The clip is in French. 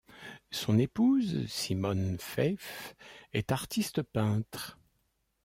Son épouse Simone Faif est artiste-peintre.